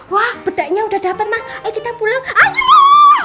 wah pedaknya udah dapet mas eh kita pulang ayo